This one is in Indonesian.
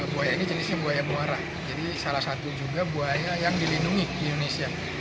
buaya ini jenisnya buaya muara jadi salah satu juga buaya yang dilindungi di indonesia